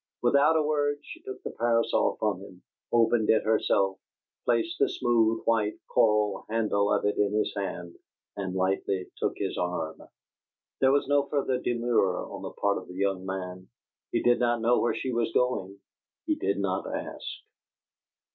Without a word she took the parasol from him, opened it herself, placed the smooth white coral handle of it in his hand, and lightly took his arm. There was no further demur on the part of the young man. He did not know where she was going; he did not ask.